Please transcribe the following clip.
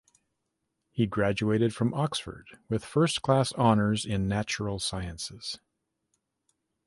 He graduated from Oxford with first class honours in natural sciences.